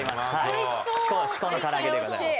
おいしそう至高の唐揚げでございます